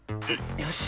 よし！